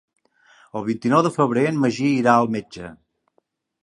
El vint-i-nou de febrer en Magí irà al metge.